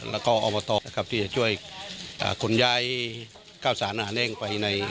แล้วก็ออกมาต่อนะครับที่จะช่วยก่อนยายเก้าสารนำอาหารเองไปใน